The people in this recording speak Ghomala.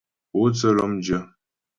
Pótsə́ lɔ́mdyə́.